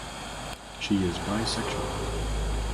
She is bisexual.